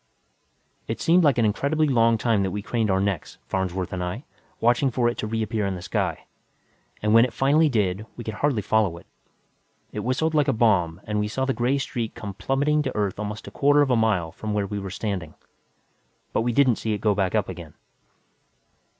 _ It seemed like an incredibly long time that we craned our necks, Farnsworth and I, watching for it to reappear in the sky. And when it finally did, we could hardly follow it. It whistled like a bomb and we saw the gray streak come plummeting to Earth almost a quarter of a mile away from where we were standing. But we didn't see it go back up again.